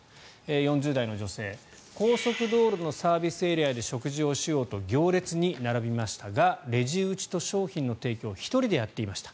４０代の女性高速道路のサービスエリアで食事をしようと行列に並びましたがレジ打ちと商品の提供を１人でやっていました